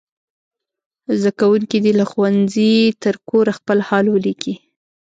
زده کوونکي دې له ښوونځي تر کوره خپل حال ولیکي.